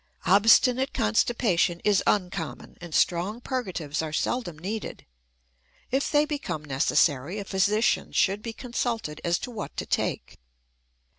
Obstinate constipation is uncommon, and strong purgatives are seldom needed. If they become necessary, a physician should be consulted as to what to take.